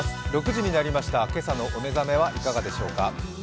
６時になりました、今朝のお目覚めはいかがでしょうか？